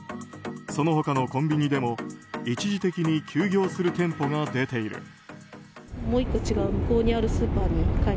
その他のコンビニでも一時的に休業する店舗が出ている。